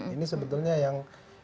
ini sebetulnya yang